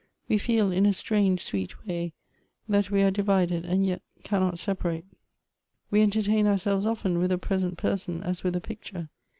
We feel, in a strange sweet way, that we are divided and yet cannot separate." " We entertain ourselves often with a present person as with a picture.